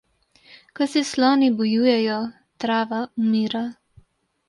Ko se sloni bojujejo, trava umira.